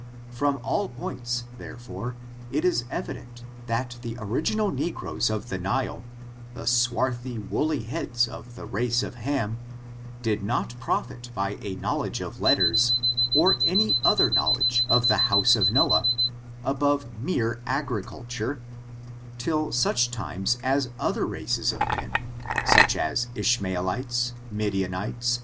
From all points, therefore, it is evident, that the original negroes of the Nile, the swarthy woolly heads of the race of Ham, did not profitby a knowl edge of letters, or any other knowledge of the house of Noah, above mere agriculture, till such times as ^ other races of men, such as Ishmaelites, Midianites, i / ^^^l^t^i^k^t^ ^^^^^%^^^^^%' FORTUNES, OF THE NEGRO RACE.